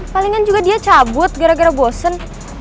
palingan juga dia cabut gara gara bosen